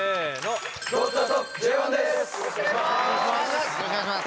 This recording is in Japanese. よろしくお願いします！